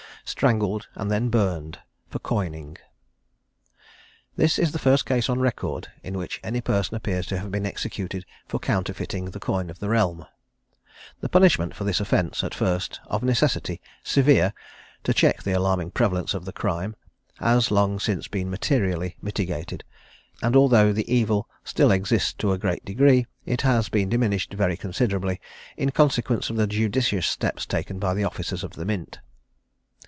STRANGLED, AND THEN BURNED, FOR COINING. This is the first case on record, in which any person appears to have been executed for counterfeiting the coin of the realm. The punishment for this offence, at first, of necessity, severe, to check the alarming prevalence of the crime, has long since been materially mitigated; and although the evil still exists to a great degree, it has been diminished very considerably in consequence of the judicious steps taken by the officers of the Mint.